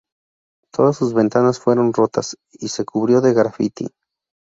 Todas sus ventanas fueron rotas y se cubrió de graffiti.